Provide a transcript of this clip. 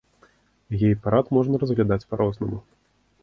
Гей-прайд можна разглядаць па-рознаму.